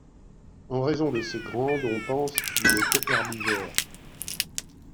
En raison de ses grandes, on pense qu'il était herbivore.